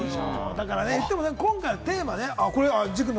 今回のテーマ。